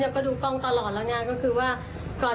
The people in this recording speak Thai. ก็มาดูตอนเย็นทีอ่ะรายที